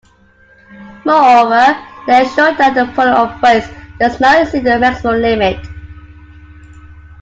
Moreover, they ensure that the volume of waste does not exceed the maximum limit.